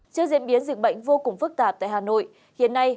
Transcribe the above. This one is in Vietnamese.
trước diễn biến dịch bệnh vô cùng phức tạp tại hà nội hiện nay